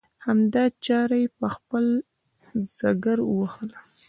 هغه چاړه یې په خپل ځګر ووهله.